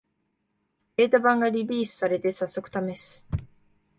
ベータ版がリリースされて、さっそくためす